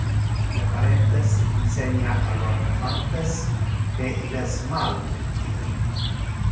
Le parentes insenia a lor infantes que il es mal mentir.